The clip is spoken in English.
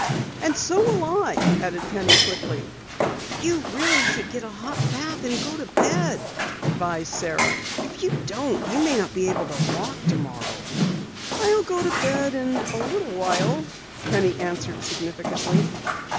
"And so will I," added Penny quickly. "You really should get a hot bath and go to bed," advised Sara. "If you don't you may not be able to walk tomorrow." "I'll go to bed in a little while," Penny answered significantly.